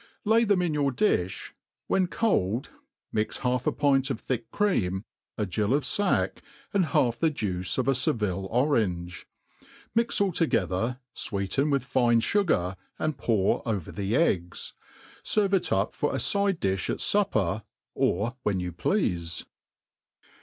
Lay them in your difh 5 when cold, mix half a pint of thick cream, a gill of fack, and half the juice of a Seville orange, Mi^ all tQgether, fweeten with fine fugar, and pour over the egos. Serve it up for a fide diih at fupper, or whei^ you pleafe.